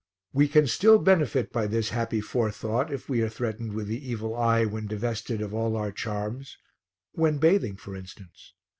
We can still benefit by this happy forethought if we are threatened with the evil eye when divested of all our charms when bathing for instance.